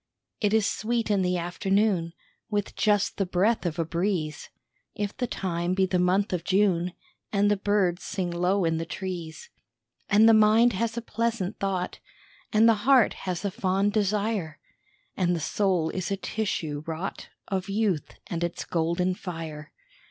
It is sweet in the afternoon, With just the breath of a breeze, If the time be the month of June And the birds sing low in the trees. And the mind has a pleasant thought, And the heart has a fond desire, And the soul is a tissue wrought Of youth, and it's golden fire.